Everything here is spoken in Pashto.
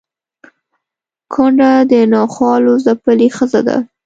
کونډه د ناخوالو ځپلې ښځه ده